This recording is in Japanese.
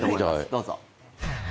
どうぞ。